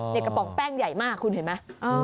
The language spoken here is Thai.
กระป๋องแป้งใหญ่มากคุณเห็นไหม